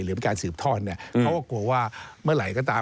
หรือเป็นการสืบทอดเนี่ยเขาก็กลัวว่าเมื่อไหร่ก็ตาม